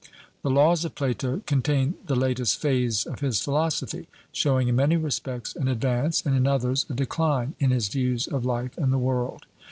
The Laws of Plato contain the latest phase of his philosophy, showing in many respects an advance, and in others a decline, in his views of life and the world.